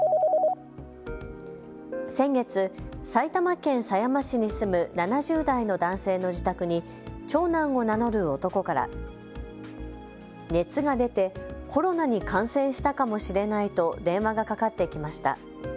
先月、埼玉県狭山市に住む７０代の男性の自宅に長男を名乗る男から、熱が出てコロナに感染したかもしれないと電話がかかってきました。